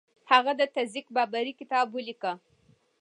هغه د تزک بابري کتاب ولیکه.